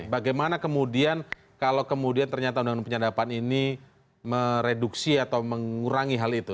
bagaimana kemudian kalau kemudian ternyata undang undang penyadapan ini mereduksi atau mengurangi hal itu